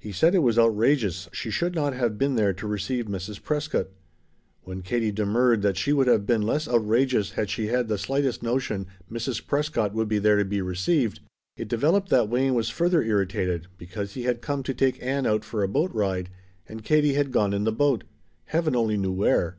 He said it was outrageous she should not have been there to receive Mrs. Prescott. When Katie demurred that she would have been less outrageous had she had the slightest notion Mrs. Prescott would be there to be received, it developed that Wayne was further irritated because he had come to take Ann out for a boat ride and Katie had gone in the boat heaven only knew where!